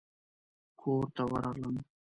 کورته ورغلم.